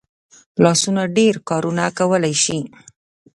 لاسونه ډېر کارونه کولی شي